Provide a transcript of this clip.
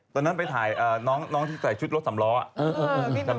ตอนนั้นไปถ่ายน้องที่ใส่ชุดรถสำร้อม